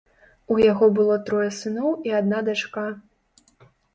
У яго было трое сыноў і адна дачка.